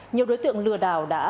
nhiều đối tượng lừa đảo đã giải quyết